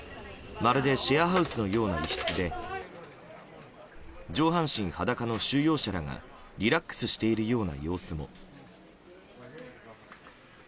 まるでシェアハウスのような一室で上半身裸の収容者らがリラックスしているような様子も。